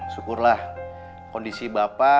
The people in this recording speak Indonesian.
syukurlah kondisi bapak